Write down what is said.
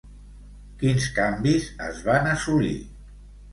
Quins canvis es van assolir?